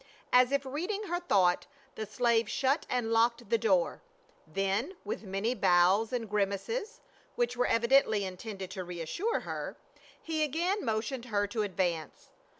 As if reading her thought the slave shut and locked the door, then with many bows and grimaces, which were evidently intended to reassure her, he again mo tioned her to advance.